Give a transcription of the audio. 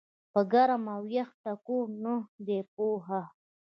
پۀ ګرم او يخ ټکور نۀ دي پوهه